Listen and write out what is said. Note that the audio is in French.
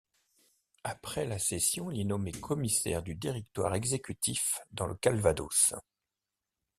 Après la session, il est nommé commissaire du Directoire exécutif dans le Calvados.